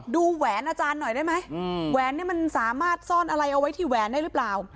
แหวนอาจารย์หน่อยได้ไหมแหวนเนี่ยมันสามารถซ่อนอะไรเอาไว้ที่แหวนได้หรือเปล่า